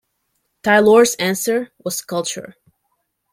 Tylor's answer was culture.